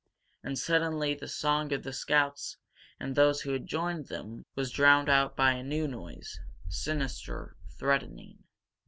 And suddenly the song of the scouts and those who had joined them was drowned out by a new noise, sinister, threatening.